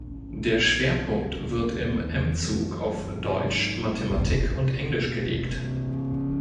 Der Schwerpunkt wird im M-Zug auf Deutsch, Mathematik und Englisch gelegt.